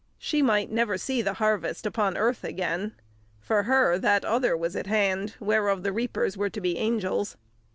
She might never see the harvest upon earth again; for her that other was at hand, whereof the reapers were to be angels.